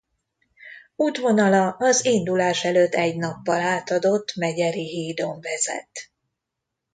Útvonala az indulása előtt egy nappal átadott Megyeri hídon vezet.